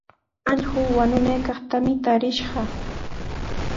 Allqu wañunaykaqtami tarishqaa.